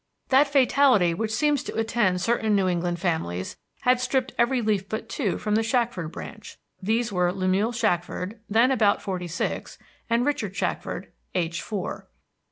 That fatality which seems to attend certain New England families had stripped every leaf but two from the Shackford branch. These were Lemuel Shackford, then about forty six, and Richard Shackford, aged four.